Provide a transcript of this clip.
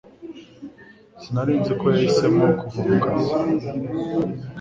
Sinari nzi ko yahisemo kuva mu kazi